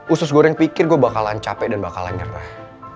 usus goreng pikir gue bakalan capek dan bakalan nyerah